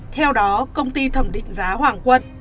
theo đó công ty thẩm định giá hoàng quân